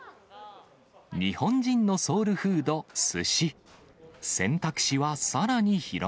日本人のソウルフード、すし。